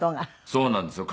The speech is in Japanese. そうなんですよ。